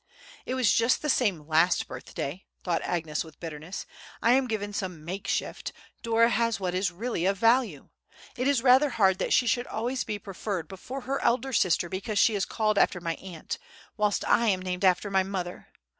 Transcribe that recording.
"It was just the same last birthday," thought Agnes with bitterness: "I am given some makeshift, Dora has what is really of value. It is rather hard that she should always be preferred before her elder sister because she is called after my aunt, whilst I am named after my mother.